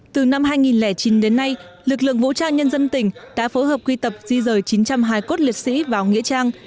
từ năm hai nghìn chín đến nay lực lượng vũ trang nhân dân tỉnh đã phối hợp quy tập di rời chín trăm linh hài cốt liệt sĩ vào nghĩa trang